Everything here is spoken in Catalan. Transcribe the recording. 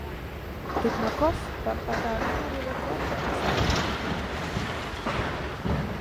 Tukmakov va empatar el número adequat per passar a la final A.